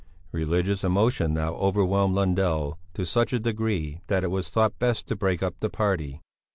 Religious emotion now overwhelmed Lundell to such a degree that it was thought best to break up the party.